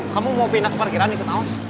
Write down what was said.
kamu mau pindah ke parkiran ikut aos